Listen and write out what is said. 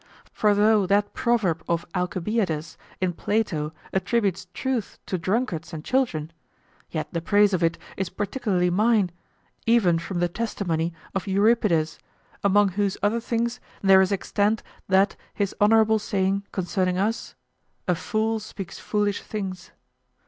For though that proverb of Alcibiades in Plato attributes truth to drunkards and children, yet the praise of it is particularly mine, even from the testimony of Euripides, among whose other things there is extant that his honorable saying concerning us, "A fool speaks foolish things."